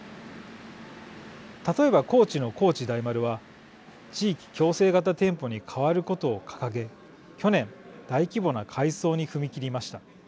例えば、高知の高知大丸は地域共生型店舗に変わることを掲げ去年、大規模な改装に踏み切りました。